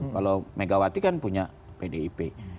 kalau megawati kan punya pdip